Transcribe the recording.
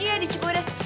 iya di cikgu wires